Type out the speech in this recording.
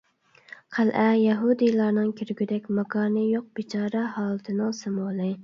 «قەلئە» يەھۇدىيلارنىڭ كىرگۈدەك ماكانى يوق بىچارە ھالىتىنىڭ سىمۋولى.